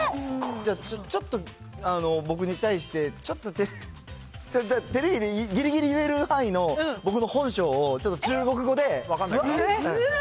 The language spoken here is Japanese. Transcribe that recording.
ちょっと僕に対して、ちょっと、テレビでぎりぎり言える範囲の、僕の本性を、ちょっと中国語で。